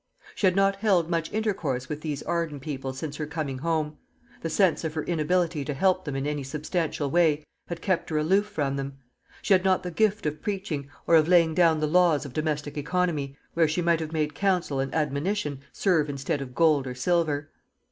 She had not held much intercourse with these Arden people since her coming home. The sense of her inability to help them in any substantial way had kept her aloof from them. She had not the gift of preaching, or of laying down the laws of domestic economy, whereby she might have made counsel and admonition serve instead of gold or silver.